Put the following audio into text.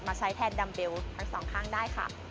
ใช้แทนดัมเบลทั้งสองข้างได้ค่ะ